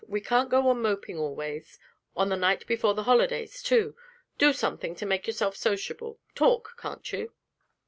We can't go on moping always, on the night before the holidays, too! Do something to make yourself sociable talk, can't you?'